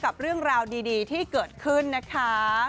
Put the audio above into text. กับเรื่องราวดีที่เกิดขึ้นนะคะ